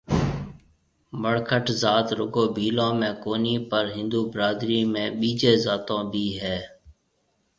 مڙکٽ ذات رُگو ڀيلون ۾ ڪونِي پر هندو برادرِي ۾ ٻِيجِي ذاتون ۾ بهيَ هيَ